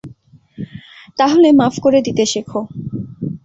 তাহলে মাফ করে দিতে শেখো।